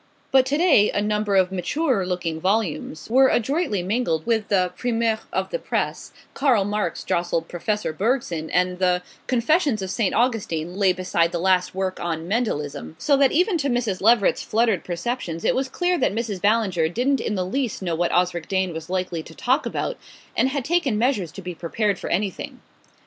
But to day a number of maturer looking volumes were adroitly mingled with the primeurs of the press Karl Marx jostled Professor Bergson, and the "Confessions of St. Augustine" lay beside the last work on "Mendelism"; so that even to Mrs. Leveret's fluttered perceptions it was clear that Mrs. Ballinger didn't in the least know what Osric Dane was likely to talk about, and had taken measures to be prepared for anything.